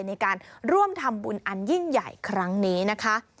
ในการร่วมทำบุญอันยิ่งใหญ่ครั้งนี้นะคะ